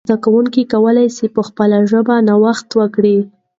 زده کوونکي کولای سي په خپله ژبه نوښت وکړي.